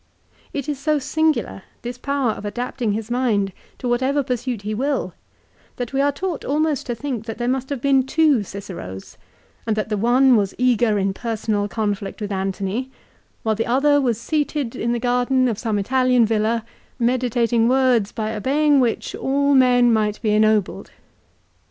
It is so singular, this power of adapting his mind to whatever pursuit he will, that we are taught almost to think that there must have been two Ciceros and that the one was eager in personal conflict with Antony, while the other was seated in the garden of some Italian villa meditating words by obeying which all men might be ennobled.